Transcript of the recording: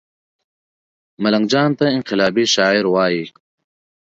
ملنګ جان ته انقلابي شاعر وايي